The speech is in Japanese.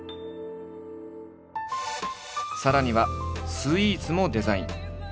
さらにはスイーツもデザイン。